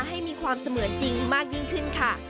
ให้มีความเสมือนจริงมากยิ่งขึ้นค่ะ